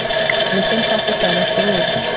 Nicyo nshaka cyane kurubu